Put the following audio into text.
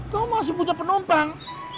kau masih punya penumpang